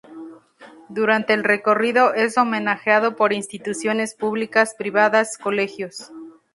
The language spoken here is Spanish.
Durante el recorrido es homenajeado por instituciones públicas, privadas, colegios.